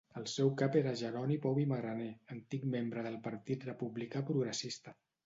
El seu cap era Jeroni Pou i Magraner, antic membre del Partit Republicà Progressista.